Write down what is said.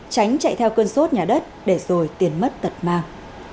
tránh chạy theo cơn sốt nhà đất để rồi tiền mất tật mang